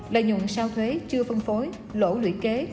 lợi nhuận sau thuế chưa phân phối lỗ lũy kế